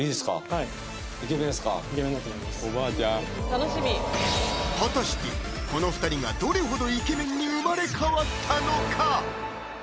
はい果たしてこの２人がどれほどイケメンに生まれ変わったのか？